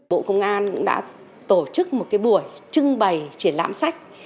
bộ công an cũng đã tổ chức một buổi trưng bày triển lãm sách